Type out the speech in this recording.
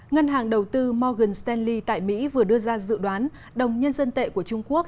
ngân hàng đầu tư morgan stanley tại mỹ vừa đưa ra dự đoán đồng nhân dân tệ của trung quốc